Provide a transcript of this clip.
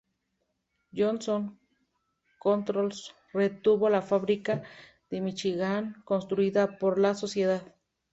Johnson Controls retuvo la fábrica de Míchigan construida por la sociedad.